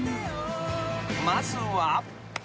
［まずは］